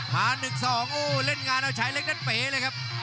หาหนึ่งสองโอ้เล่นงานเอาชายเล็กนั้นเป๋เลยครับ